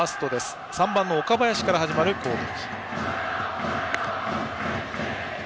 中日は３番の岡林から始まる攻撃。